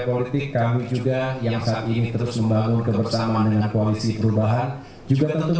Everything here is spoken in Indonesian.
politik kami juga yang saat ini terus membangun kebersamaan dengan koalisi perubahan juga tentu